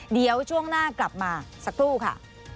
เดี๋ยวช่วงหน้ากลับมาสักครู่ค่ะ